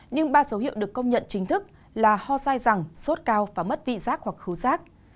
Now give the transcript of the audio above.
nhưng ba dấu hiệu được công nhận chính thức là ho sai rằng sốt cao và mất vị giác hoặc cứu rác